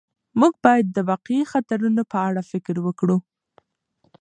موږ باید د واقعي خطرونو په اړه فکر وکړو.